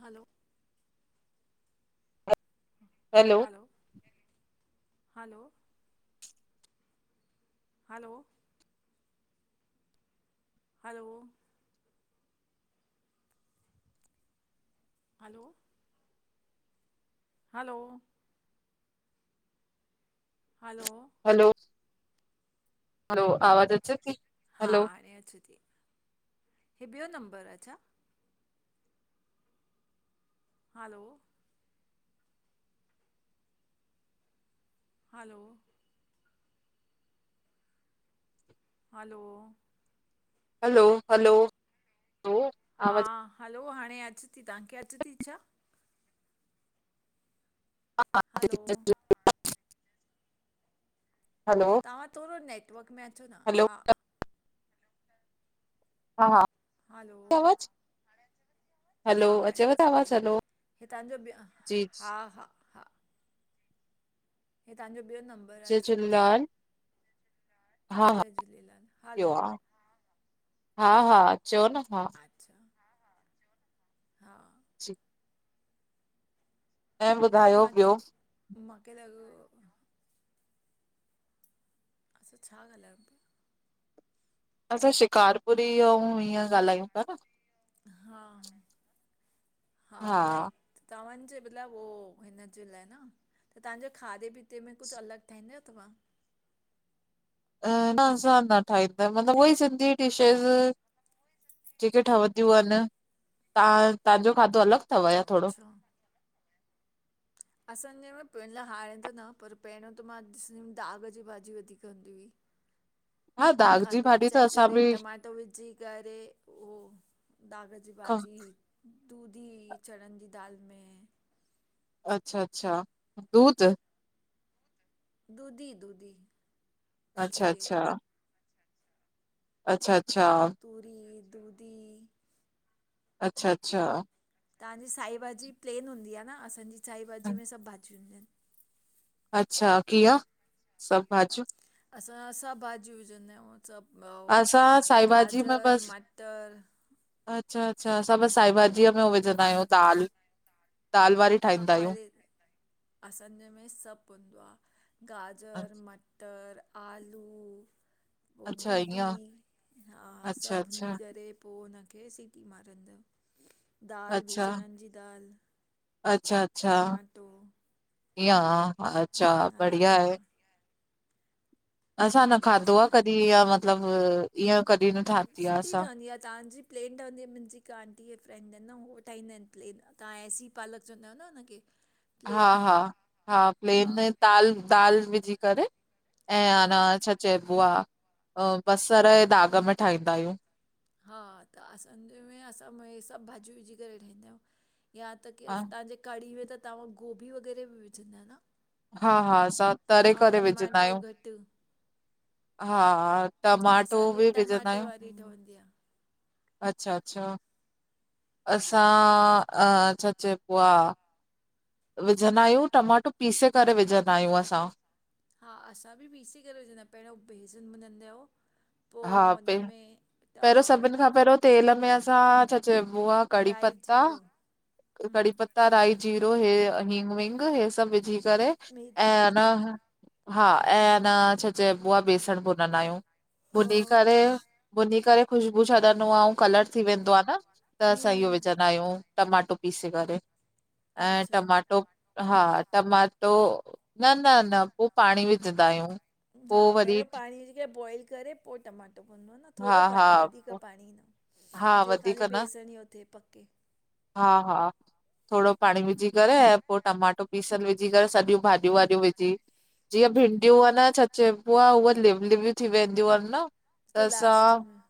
हलो! Hello! Hello! Hello! Hello! Hello! Hello! Hello! Hello! Hello! आवाज़ अचे थी? हा, हलो हाणे अचिती इह ॿियो नंबर आहे छा? Hello! Hello! Hello. Hello, hello. हाँ, हैलो हाणे़ अचे ती, तांखे अचे ती छा? हाँ-हाँ, हलो अचे ती। हैलो हाँ, थोॾो नेटवर्क में अचो न, हाँ। हाँ-हाँ। हैलो। हाँ-हाँ, हाण़े हलो हाँ, हाणे़ अचेव त अचे ती। आवाज़ हलो हि तांजो बि, जी हाँ-हाँ। हे तांजो ॿियों नंब जय झूलेलाल। हाँ-हाँ, जय झूलेलाल हलो ॿियो आं। हाँ-हाँ चओ न अच्छा, हाँ। जी। ऐं वोई ॿुधायो मां ॿियो चयो, मांखे लॻो असां छा ॻाल्हायूं पिया? असां शिकारपुरी अऊं, हीअं ॻाल्हायूं पिया न। हा हाँ-हाँ, राईट। तव्हांजे बिला वो, हिनजे लायं न त तांजे खादे-पीते में कुझ अलॻ ठाहींदा आयो तव्हां? न-न, असां न ठाहींदा, मतलब वोई सिंधी डिशेज। जेके ठवंदियूं अन, ता--तांजो खादो अलॻि अथव या थोरो अच्छा। [inaudible] असांजे में पिलअं आऐ त न, पर पहिरियों त मां ॾिसंदी हुम्म धाॻ जी भाॼी वधीक हूंदी हुई। [inaudible] जी खंड भाॼी त पचाए असां करे, बि टमाटो विझी करे पो धाॻ जी ख भाॼी, तूरी, चण़न जी दाल में अच्छा-अच्छा। दूध दूधी दूधी अच्छा खीर अच्छा अच्छा अच्छा पूरी, दुधी अच्छा अच्छा तांजी साईभाॼी प्लेन हूंदी आ न, असांजी साईभाॼी में सभु भाॼियूं हूंदियूं आहिंन। अच्छा कीअं सभु भाॼियूं? असां सभु भाॼियूं विझंदा आहियूं सब मतलब, असां अ साई गाजर मटर अच्छा-अच्छा, असां बस साई भाॼीअ में हो विझंदा आहियूं दाल, दाल वारी हा ठाहींदा आहियूं। ख़ाली, असांजे में सभु हूंदो आ। अ- गाजर, मटर, आलू ओ अच्छा दूधी, ईअं, हा अच्छा, सभ भूण़ी अच्छा, करे पो हुनखे सिटी मारींदायू, दाल बि चण़न जी दाल अच्छा-अच्छा, टमाटो ईय हा अच्छा हा बढ़िया आहे। असां न खादो आं कॾहिं, असां ईअ मतलब, ईअं कॾहिं न ठाती आ सुठी असां। ठहदी आ तांजी? प्लेन ठवंदी आ, मुंहिंजी हिकु आंटी फ्रैंड ऐंन न, वो ठाहंदा ऐंन प्लेन, तां एसी पालक चवंदा आयो न हुनखे। हा प्लेन हा हा प्लेन में दाल, दाल विझी करे ऐं हा आना छा चयबो आ अ बसर जे दाग़ में ठाहींदा आहियूं। हाँ, त असांजे में, असां में सभु भाॼियूं विझी करे ठाहींदा आहियूं, या त हा केस तांजे कड़ी में त तव्हां गोभी वग़ैरह भी विझंदा आयो न? हा हा असां तरे ऐं करे विझंदा टमाटो आहियूं। घटि हा, टमाटो असांजी बि विझंदा टमाटे आहियूं। वारी ठहंदी आहे अच्छा अच्छा, असां छा चइबो आहे विझंदा आहियूं टमाटो पीसे करे विझंदा आहियूं असां। हा असां बि पीसे करे विझंदायूं पहिरियों बेसन बुनंदायो हा पे पहिरियों सभिनि खां पहिरियों तेल में असां छा चइबो आहे कड़ी राई पत्ता जीरो कड़ी हम्म पता राई जीरो हे हींग विंग हे सभु विझी करे मेथी ऐंन दाना हा ऐं अन छा चइबो आहे बेसण भुनंदा आहियूं हा बुञी करे बुञी करे ख़ुशबू छॾंदो आहे ऐं कलर थी वेंदो आहे न त असां इहो हम्म विझंदा आहियूं टमाटो पीसे करेे ऐं अच्छा टमाटो हा टमाटो न न न पो पाणी विझंदा आहियूं। पो हा, वरी पहिरियों पाणी विझी करे बॉइल करे पोइ टमाटो पवन्दो आ न हा थोरो हा पाणी वधीक पो- पाणी न हा जे वधीक खाली न बेसण ई उ थे पके हा हा थोरो पाणी विझी करे ऐं पो टमाटो पीसियल विझी करे सॼियूं भाॼियूं वाॼियूं विझी, जीअं भिंडियूं न छा चैबू आहे उअ लिव लिव्यूं थी वेंदियूं आहिनि न त लास्ट असां में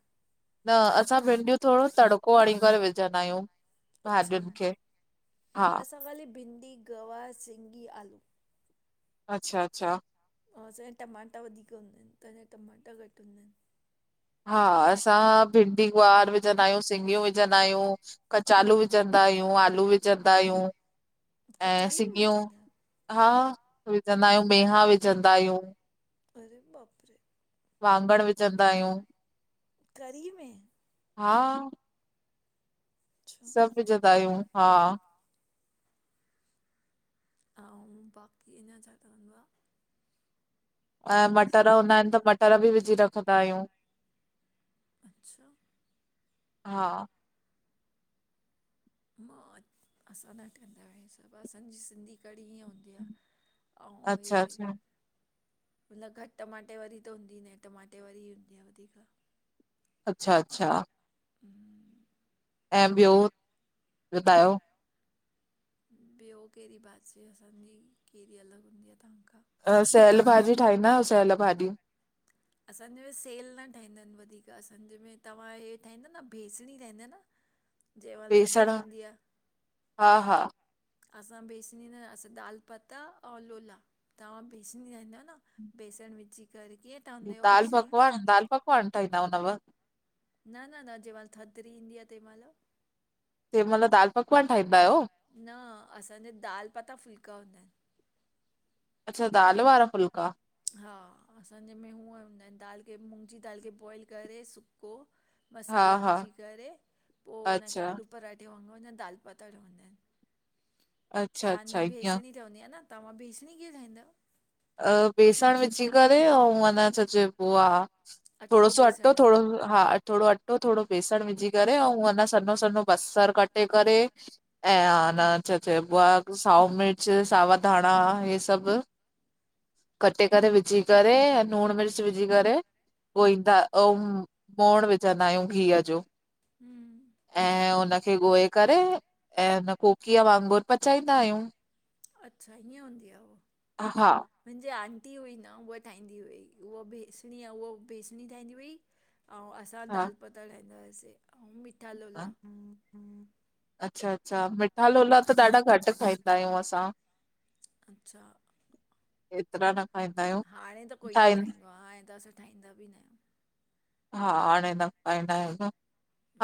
न असां भिंडियूं थोरो तड़िको हणी करे विझंदा आहियूं भाॼियुनि खे हा त वली भिंडी गवार, सिंघी, आलू अचछा अचछा ओ असांजा टमाटा वधीक हूंदा आहिनि त तहांजा टमाटा घट हूंदा आहिनि। हा असां भिंडी गुआर विझंदा आहियूं सिंगियूं विझंदा आहियूं कच कचालू विझंदा आहियूं आलू विझंदा आहियूं। ऐं कचालू बि सिङियूं विझंद आहियो? हा विझंदा आहियूं मेहा विझंदा आहियूं। अरे बाप रे वाङण विझंदा आहियूं। करी में? हा अच्छा सब विझंदा आहियूं, हा। अऊ बाक़ी अञा छा ठवंदो आ? अऊं मटर असांजो हूंदा आहिनि त मटर बि विझी रखंदा आहियूं। अच्छा! हा मां असां न ठहींदा आहियूं हे सब असांजी सिंधी क़डी इअं हूंदी आ। अऊं अच्छा अच्छा, हे न घट टमाटे वारी त हूंदी न आहे टमाटे वारी ही हूंदी आ वधीक। अच्छा अच्छा। हम्म ऐं ॿियो ॿुधायो? ॿियों कहिड़ी भाजी असांजी कहिड़ी अलॻ हूंदी आ तवहांखा? सेयल भाॼी ठाहींदा आहियो सेयल भाॼी? असांजे में सेल न ठाहींदा आहिनि वधीक असांजे में, तव्हां इहे ठाहींदा न बेसणी ठाहींदी यो न? [inaudible] जेहिं वल बेसण थदिडी ईंदी आ। हा -हा। असां बेसणी, असां दाल पता ओर लोला। तव्हां बेसणी ठाईंदायो न बेसण विझी कर दाल पकवान दाल पकवान ठाईंदा हुंदव? न न न जंहिं महिल थदीडी ईंदी आ, तंहिं महिल। तंहिं महिल दाल पकवान ठाहींदा आहिय? न असांजा दाल पाता फुल्का हूंदा आहिनि। अच्छा दाल वारा फुलका? हा असांजे में उअं हूंदा आहिनि, दाल खे मुगी दाल खे बॉइल करे सुको हा मसाला हा विझी करे पो हुनखे अच्छा आलू पराठे वांगुरु दाल परताठे हूंदा आहिनि। अच्छा अच्छा तव्हांजी ईअं बेसणी ठहंदी आ न तव्हां बेसणी कीअं ठाहींदायो? अ बेसण विझी करे अऊ ह न अञा चइबो आ थोरो सो अटो थोरो हा थोरो अटो अटो थोरो बेसण विझी करे अऊ हेन, सन्हो सन्हो बसर कटे करे। ऐं हान, छा चइबो आहे साओ मिर्च सावा धाण हे सभ कटे करे विझी करे लूणु मिर्च विझी करे ॻोहींदा, अउ मोहीण विझंदा आहियूं घीह जो। हम्म। ऐं उनखे ॻोहे करे ऐं कोकीअ वांगुरु पचाईंदा आहियूं। अचछा इअं हूंंद आहे उ हा। मुंहिंजी आंटी हुई न उहा ठाहींदी हुई उहा बेसणी उहा बेसणी ठाहींदी हुई। ऐं असां दाल हा पता ठाहींदा हुआसीं ऐं मिठा लोला हह। अच्छा अच्छा मिठा लोला त ॾाढा घटि खाईंदा आहियूं असां। अच्छा एतिरा न खाईंदा आहियूं ठाहंद तहां आंदसां ठाहींदा बि न आहियूं। हा हाणे न पाईंदा आहियूं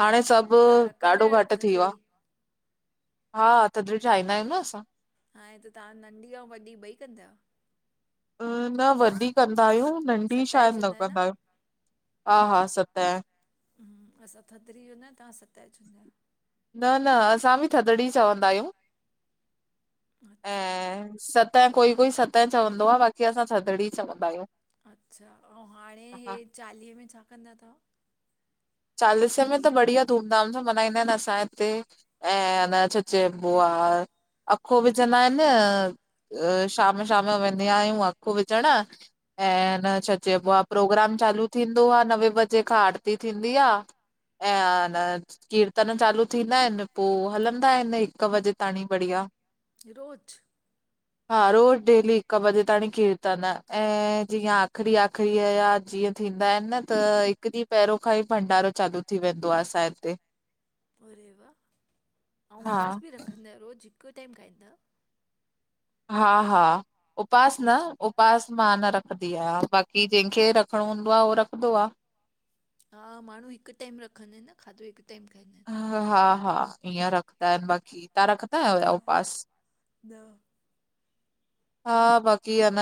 हाणे सभु तव्हां रखंदा ॾाढो आहियो घटि थी वियो आहे। थधिड़ी हा त द्रिज आईंदा आहियूं न असां। हाणे त तव्हां नंढी ऐं वॾी ॿई कंदा आहियो? न वॾी कंदा आहियूं नंढी शायदि न कंदा आहियूं हा हा सत आहिनि। असां थदणी वेंदा तव्हां सत चंयदा आ। न न असां बि थदड़ी चवंदा आहियूं अच्छा ऐं सत न कोई कोई सतह चवंदो आहे बाक़ी असां थदड़ी चवंदा आहियूं। अच्छा ऐं हाणे हा इहे चालीहे में छा कंदा तव्हां? चालीसे में त बढ़िया धूम धाम सां मल्हाईंदा आहिनि असांजे हिते। ऐं न अलाए छा चयबो आहे। अखो विझंदा आहिनि शाम शाम जो वेंदी आहियूं अखो विझणु। ऐंन छा चइबो आहे प्रोग्राम चालू थींदो आहे नवे बजे खां आरती थींदी ह आहे ऐं न कीर्तन चालू थींदा आहिनि पोइ हलंदा आहिनि हिकु बजे ताईी बढ़िया। रोज़ु? [inaudible] हा रोज़ डेली हिकु बजे ताणी कीर्तन ऐं जीअं आख़िरी आख़िरी या जीअं थींदा आहिनि न त हिकु ॾींहुं पहिरियों खां ई भंडारो चालू थी वेंदो आहे असांजे हिते। अरेवााह ऐं हा उपास बि रखंदा आहियो रोज़ु हिकु टाइम खाईंदा? हा हा उपास न उपास मां न रखंदी आहियां बाक़ की जंहिंखे रखिणो हूंदो आहे उ रखंदो आहे। हा माण्हू हिकु टाइम रखंदा आहिनि न खाधो हिकु टाइम खाईंदा आहिनि। हा हा ईअं रखंदा आहिनि बाक़ी तत्हां रखंदा आहियो हा उपवास? न। हा बाक़ी अञ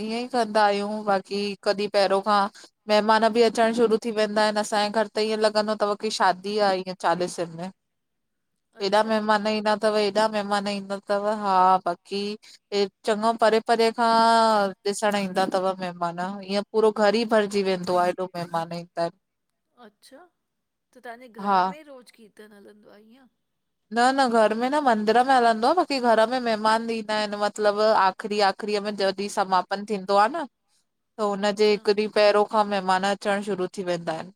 ईअं ई कंदा आहियूं बाक़ी कॾहिं पहिरियों खां। मेहिमान बि अचण शुरू थी वेंदा आहिनि असांजे घर त ईअं लॻंदो अथव की शादी आहे ईअं चालीसनि में। हेएॾा अच्छा महिमान ई न। अव हेॾा महिमान ईंदा अथव हा बाक़ी। चङो परे परे खां ॾिसण ईंदा अथव महिमान ईअं पूरो घर ई भरिजी वेंदो आहे एॾो। महिमान ई त। अच्छा त तव्हांजे घर हा में रोज़ु कीर्तन हलंदो आहे ईअं? न न घर में न मंदर में हलंदो आहे बाक़ी घर में महिमान ईंदा आहिनि मतिलबु। आख़िरी आख़िरीअ में जॾहिं समापन थींदो आहे न। त हुनजे अच्छा हिकु ॾींहुं पहिरों खां महिमान अचणु शुरू थी वेंदा आहिनि।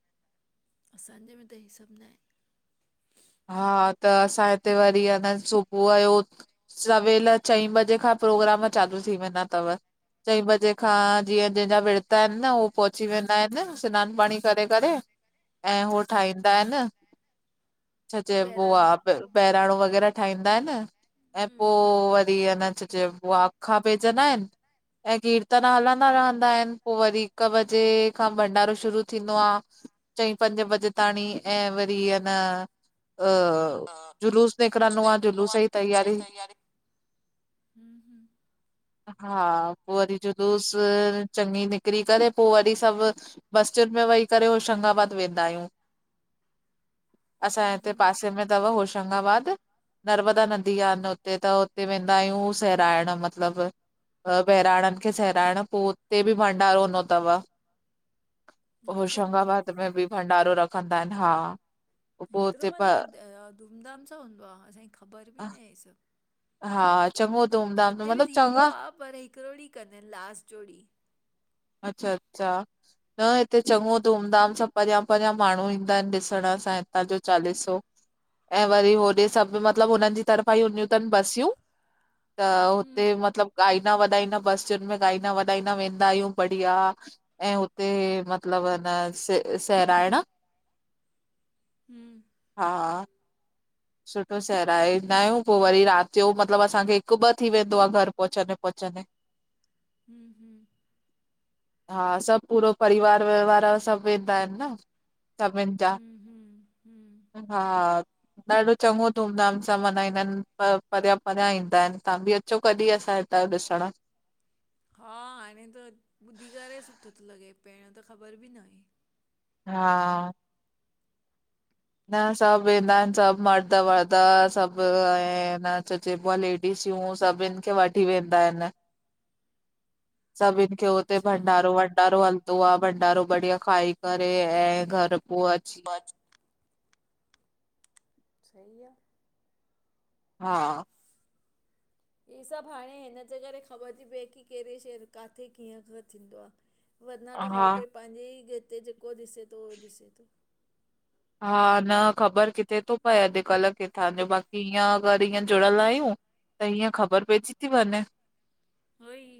असांजे में त इहे सभु न आहे। हा त असां हिते वरी अञ सुबुह जो। सवेल चईं बजे खां प्रोग्राम चालू थी वेंदा अथव। चईं बजे खां जीअं जंहिंजा विर्त इन न, उहे पहुची वेंदा आहिनि स्नानु पाणी करे करे। ऐं हू ठाहींदा इन। अ छा चइबो आ, बहिराणो बहिराणो वग़ैरह ठाहींदा इन, ऐं पोइ हम्म व वरी अञां छा चइबो आ, अखा पेजंदा इन। ऐं कीर्तन हलंदा रहंदा इन, पोइ वरी हिक बजे, खां भंडारो शुरू थींदो आ। चईं पंजे बजे ताणी, ऐं वरी अनां। अ, जुलूस निकरंदो आ, जुलूस जी तैयारी ह्म ह्म हा, पोइ वरी जुलूस, चङी निकरी करे पोइ वरी सभु बसियुनि में वेही करे होशंगाबाद वेंदा आहियूं। असांजे हम्म, हिते हम्म। पासे में तव होशंगाबाद। नर्मदा नदी आ न हुते त हुते वेंदा आहियूं सहिराइण, मतिलबु। अ, बहिराणनि खे सहिराइण, पोइ उते बि भंडारो हूंदो तव। अच्छा होशंगाबाद में बी भंडारो रखंदा इन, हा। पो हेतिरो हुते मतिलबु, अ धूमधाम सां हूंदो आ, असांखे ख़बर बी न आहे हे सभु। हा, चङो धूमधाम, हिते बि मतिलब थींदो चङा आहे पर हिकिड़ो ॾींहुं कंदा इन, लास्ट जो ॾींहुं। अच्छा अच्छा। न हिते चङो धूम धाम सां परियां परियां माण्हूं ईंदा इन ॾिसण असां जे हितां जो चालीसो। ऐं वरी होॾे सभु मतिलबु हुननि जी तरफां ई हूंदियूं तन बसियूं। त, हुते हम्म मतिलबु ॻाईंदा वॼाईंदा बस्तियुनि में ॻाईंदा वॼाईंदा वेंदा आहियूं। बढ़िया, ऐं हुते मतिलब न सहिरायणा। [inaudible] हम्म। हा हा। सुठो सहिराए ईंदा आहियूं पोइ वरी राति जो मतिलबु असांखे हिकु ॿ थी वेंदो आहे घर पहुचंदे पहुचंदे। [inaudible] ह्म ह्म। हा, सभु पूरो परिवार विवार सभु वेंदा आहिनि न। सभिनि जा, हम्म हम्म हम्म हा। ॾाढो चङो धूम धाम सां मनाईंदा इन, पर परियां परियां ईंदा इन तां बि अच् अचो कॾी असां जे हितांजो ॾिसण। हा, हाणे त ॿुधी करे सुठो थो लॻे, पहिरियों त ख़बर बि न हुई। हा। न सभु वेंदा इन सभु मर्द वर्द सभु, ऐं न जेको आ लेडीसूं सभिनि खे वठी वेंदा इन, सभिनि थियो हुते अच्छा भंडारो, भंडारो हलंदो आ, भंडारो बढ़िया खाई करे, ऐं घर पोइ अचु। सही आ। हा। इहे सभु हाणे हिनजे करे ख़बर थी पए, कि कहिड़े शहर किथे कीअं खां थींदो आ। वरिना त हर हा कोई, पंहिंजे ई ते जेको ॾिसे थो, उहो ॾिसे थो। हा न ख़बर किथे थो पए अॼुकल किथां जो, बाक़ी हिंअं अगरि हिंअं जुड़ियल आहियूं। त हीअं, ख़बर पइजी थी वञे। ऊओई।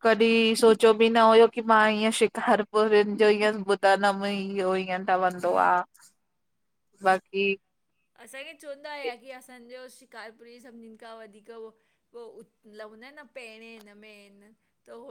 कॾी, सोचियो बि न हुयो की मां इअं शिकारपुरनि जो ईअं ॿुध् त न म इहो ईअं ठवंदो आ, बाक़ी असांखे चौवंदा हुया की असांजो शिकारपुरी सभनिनि खां वधीक हुओ पो उच लवंदा आहिनि न पहिरें हिन में न त उ